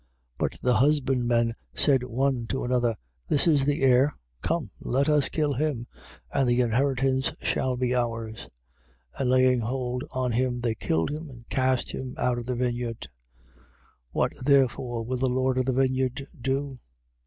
12:7. But the husbandmen said one to another: This is the heir. Come let us kill him and the inheritance shall be ours. 12:8. And laying hold on him, they killed him and cast him out of the vineyard. 12:9. What therefore will the lord of the vineyard do?